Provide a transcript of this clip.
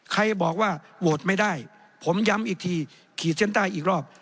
ใครบอกว่าโหวตไม่ได้ผมย้ำอีกทีขีดเส้นใต้อีกรอบ